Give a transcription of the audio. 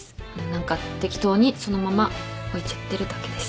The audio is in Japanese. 何か適当にそのまま置いちゃってるだけです。